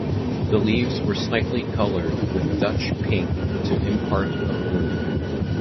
The leaves were slightly coloured with Dutch pink to impart a bloom.